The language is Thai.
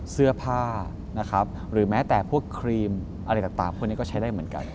เสื้อผ้านะครับหรือแม้แต่พวกครีมอะไรต่างพวกนี้ก็ใช้ได้เหมือนกัน